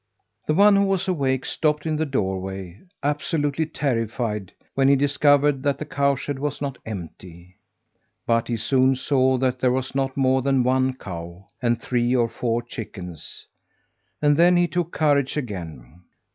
The one who was awake stopped in the doorway, absolutely terrified when he discovered that the cowshed was not empty. But he soon saw that there was not more than one cow, and three or four chickens; and then he took courage again.